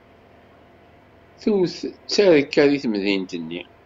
Tewt tterka deg temdint-nni.